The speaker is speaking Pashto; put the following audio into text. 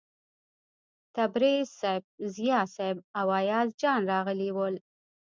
تبریز صیب، ضیا صیب او ایاز جان راغلي ول.